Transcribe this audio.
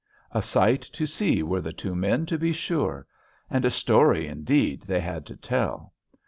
A sight to see were the two men, to be sure! And a story, indeed, they had to tell!